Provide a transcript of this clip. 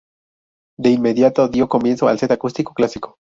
De inmediato dio comienzo el set acústico clásico.